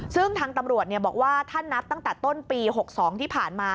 ซึ่งทางตำรวจบอกว่าถ้านับตั้งแต่ต้นปี๖๒ที่ผ่านมา